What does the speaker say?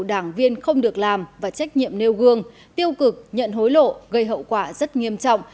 đảng viên không được làm và trách nhiệm nêu gương tiêu cực nhận hối lộ gây hậu quả rất nghiêm trọng